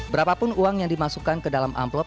berapapun uang yang dimasukkan ke dalam amplop